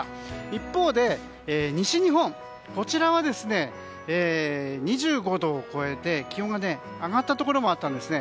一方で西日本は２５度を超えて気温が上がったところもあったんですね。